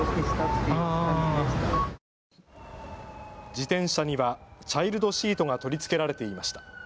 自転車にはチャイルドシートが取り付けられていました。